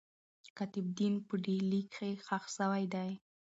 قطب الدین په ډهلي کښي ښخ سوی دئ.